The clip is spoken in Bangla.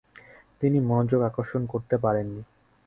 তিনি মনোযোগ আকর্ষণ করতে পারেননি।